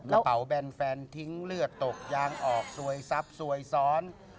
กระเป๋าแบนแฟนทิ้งเลือดตกยางออกซวยซับซวยซ้อน